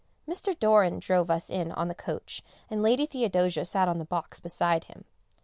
Mr. Doran drove us in on the coach, and Lady Theodosia sat on the box beside him.